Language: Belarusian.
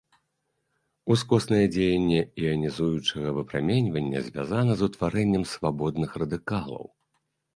Ускоснае дзеянне іанізуючага выпраменьвання звязана з утварэннем свабодных радыкалаў.